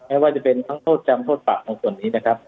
ไม่ว่าจะเป็นทั้งโทษจำโทษปรับของส่วนนี้นะครับ